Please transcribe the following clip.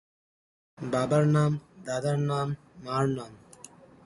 বাবার নাম, দাদার নাম, মার নাম।